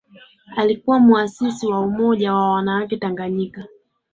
Alikuwa muasisi wa Umoja wa wanawake Tanganyika